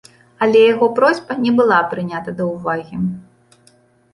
Але яго просьба не была прынята да ўвагі.